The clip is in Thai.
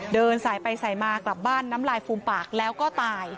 เดินสายไปสายมากลับบ้านน้ำลายฟูมปากแล้วก็ตาย